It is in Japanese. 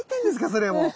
それもう。